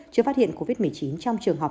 chưa phát hiện covid một mươi chín trong trường học